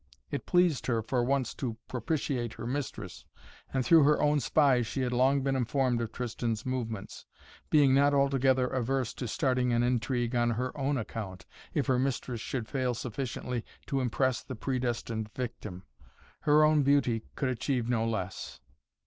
It pleased her for once to propitiate her mistress, and through her own spies she had long been informed of Tristan's movements, being not altogether averse to starting an intrigue on her own account, if her mistress should fail sufficiently to impress the predestined victim. Her own beauty could achieve no less.